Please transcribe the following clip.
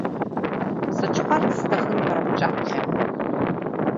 Сыҽхәарц сҭахын бара бҿаԥхьа…